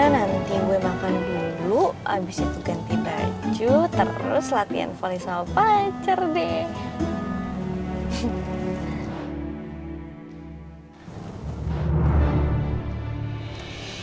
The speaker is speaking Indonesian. nanti gue makan dulu habis itu ganti baju terus latihan polisopo lancar deh